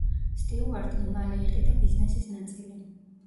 სტიუარტმა მალე იყიდა ბიზნესის ნაწილი.